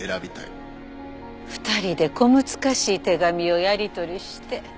２人で小難しい手紙をやり取りして。